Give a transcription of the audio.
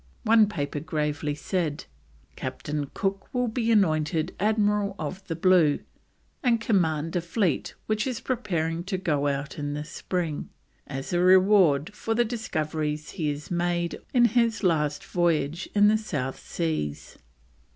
One paper gravely said that: "Captain Cooke will be appointed Admiral of the Blue, and command a fleet which is preparing to go out in the spring, as a reward for the discoveries he has made in his last voyage in the South Seas."